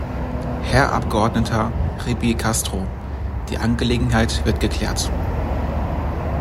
Herr Abgeordneter Ribeie Castro, die Angelegenheit wird geklärt.